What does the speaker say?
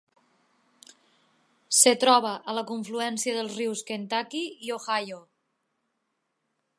Es troba a la confluència dels rius Kentucky i Ohio.